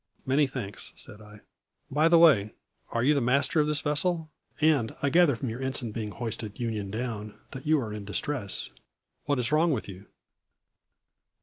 "Many thanks," said I. "By the way, are you the master of this vessel? And I gather from your ensign being hoisted union down that you are in distress. What is wrong with you?"